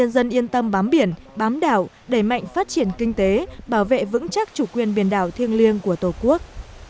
dân yên tâm bám biển bám đảo đẩy mạnh phát triển kinh tế bảo vệ vững chắc chủ quyền biển đảo thiêng liêng của tổ quốc